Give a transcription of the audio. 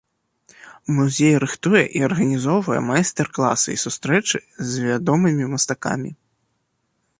Музей рыхтуе і арганізоўвае майстар-класы і сустрэчы з вядомымі мастакамі.